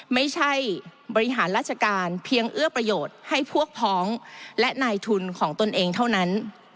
บริหารราชการเพียงเอื้อประโยชน์ให้พวกพ้องและนายทุนของตนเองเท่านั้น